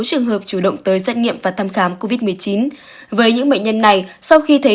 trường hợp chủ động tới xét nghiệm và thăm khám covid một mươi chín với những bệnh nhân này sau khi thấy